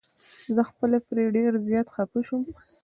زه خپله پرې ډير زيات خفه شوم.